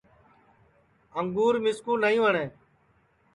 انگُور مِسکُو نائیں وٹؔیں